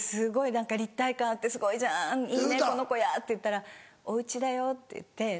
「立体感あってすごいじゃんいいねこの小屋」って言ったら「お家だよ」って言って。